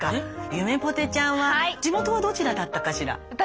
ゆめぽてちゃんは地元はどちらだったかしら？